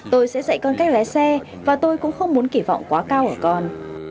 tôi sẽ dạy con cách lái xe và tôi cũng không muốn kỳ vọng quá cao ở con